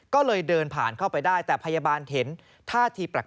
ก็เลยเดินผ่านเข้าไปได้แต่พยาบาลเห็นท่าทีแปลก